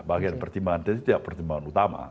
bagian pertimbangan itu tidak pertimbangan utama